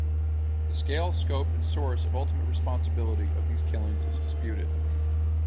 The scale, scope, and source of ultimate responsibility of these killings is disputed.